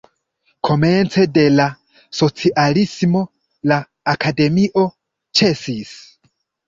Komence de la socialismo la akademio ĉesis.